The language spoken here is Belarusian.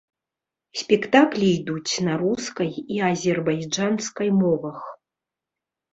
Спектаклі ідуць на рускай і азербайджанскай мовах.